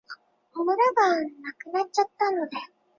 娄宿增四是中国星官系统中娄的一颗增星。